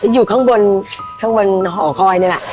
อยู่ข้างบนข้างบนหอคอยนี่แหละ